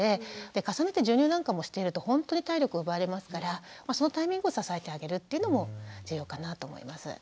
重ねて授乳なんかもしているとほんとに体力奪われますからそのタイミングを支えてあげるというのも重要かなと思います。